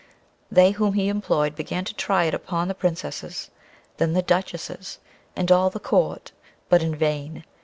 They whom he employed began to try it on upon the Princesses, then the duchesses, and all the Court, but in vain.